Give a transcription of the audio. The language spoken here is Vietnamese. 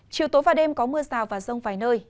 chiều tối và đêm có mưa rào và rông vài nơi